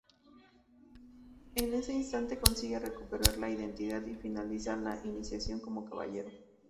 En ese instante consigue recuperar la identidad y finaliza su iniciación como caballero.